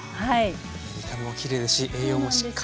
見た目もきれいですし栄養もしっかりとれそうです。